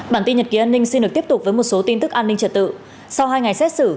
bản tin nhật ký an ninh xin được tiếp tục với một số tin tức an ninh trật tự sau hai ngày xét xử